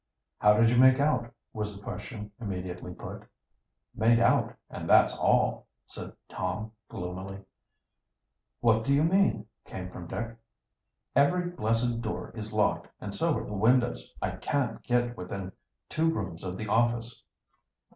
"How did you make out?" was the question immediately put. "Made out, and that's all," said Tom gloomily. "What do you mean?" came from Dick. "Every blessed door is locked, and so are the windows. I can't get within two rooms of the office."